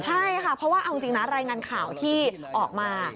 ใช่ค่ะเพราะว่าเอาจริงนะรายงานข่าวที่ออกมา